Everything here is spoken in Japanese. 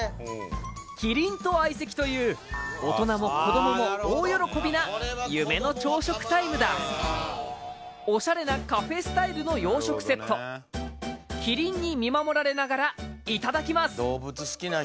キリンと相席という大人も子どもも大喜びな夢の朝食タイムだおしゃれなカフェスタイルの洋食セットキリンに見守られながらいただきます